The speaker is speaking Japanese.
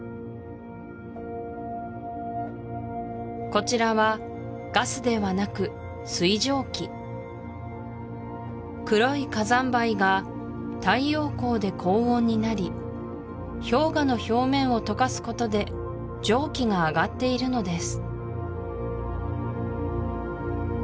こちらはガスではなく水蒸気黒い火山灰が太陽光で高温になり氷河の表面をとかすことで蒸気が上がっているのです